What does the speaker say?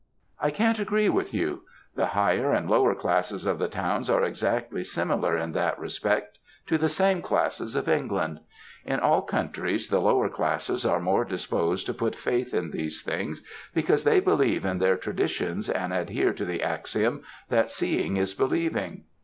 "I can't agree with you; the higher and lower classes of the towns are exactly similar in that respect to the same classes of England. In all countries the lower classes are more disposed to put faith in these things, because they believe in their traditions and adhere to the axiom that seeing is believing.